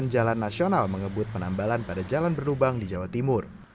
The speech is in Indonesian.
jalan nasional mengebut penambalan pada jalan berlubang di jawa timur